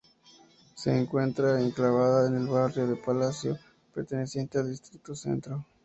Se encuentra enclavada en el barrio de Palacio, perteneciente al distrito Centro.